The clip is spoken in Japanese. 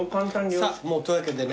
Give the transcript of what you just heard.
さぁもうというわけでね。